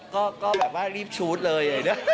ก็แบบว่ารีบชูดเลย